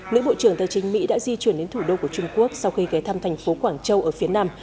nữ bộ trưởng tài chính mỹ đã di chuyển đến thủ đô của trung quốc sau khi ghé thăm thành phố quảng châu ở phía nam